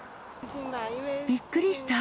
びっくりした。